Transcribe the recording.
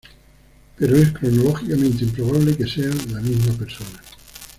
Pero es cronológicamente improbable que sean la misma persona.